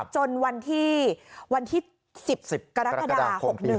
จนวันที่๑๐กรกฎา๖๑